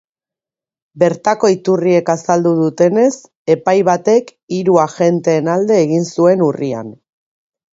Bertako iturriek azaldu dutenez, epai batek hiru agenteen alde egin zuen urrian.